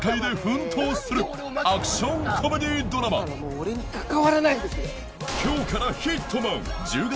もう俺に関わらないでくれ！